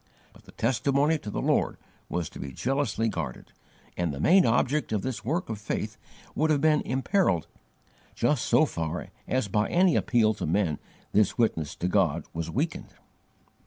But the testimony to the Lord was to be jealously guarded, and the main object of this work of faith would have been imperilled just so far as by any appeal to men this witness to God was weakened.